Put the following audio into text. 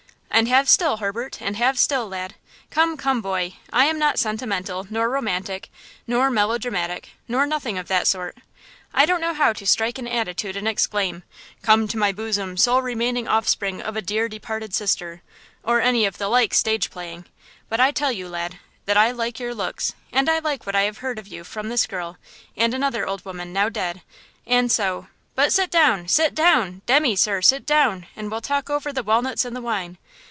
"And have still, Herbert; and have still, lad. Come, come, boy; I am not sentimental, nor romantic, nor melodramatic, nor nothing of that sort. I don't know how to strike an attitude and exclaim, 'Come to my bosom, sole remaining offspring of a dear departed sister' or any of the like stage playing. But I tell you, lad, that I like your looks; and I like what I have heard of you from this girl, and another old woman, now dead; and so– But sit down, sit down! demmy, sir, sit down, and we'll talk over the walnuts and the wine.